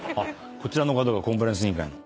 こちらの方がコンプライアンス委員会の。